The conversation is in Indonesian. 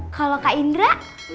kalo kak indra